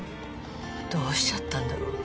どうしちゃったんだろう